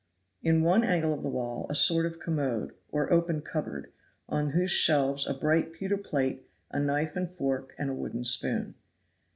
In one angle of the wall a sort of commode, or open cupboard; on whose shelves a bright pewter plate, a knife and fork and a wooden spoon.